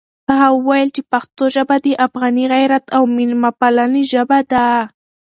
هغه وویل چې پښتو ژبه د افغاني غیرت او مېلمه پالنې ژبه ده.